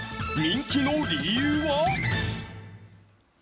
人気の理由は。